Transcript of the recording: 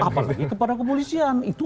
apalagi kepada kepolisian itu